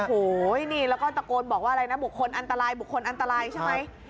โอ้โฮนี่แล้วก็ตะโกนบอกว่าอะไรนะบุคคลอันตรายใช่ไหม